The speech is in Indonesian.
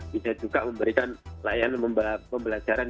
bisa juga memberikan layanan pembelajaran